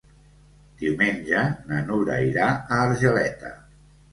Diumenge na Nura irà a Argeleta.